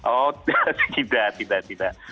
oh tidak tidak tidak